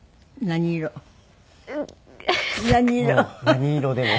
何色でも。